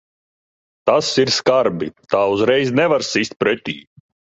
Tas ir skarbi. Tā uzreiz nevar sist pretī.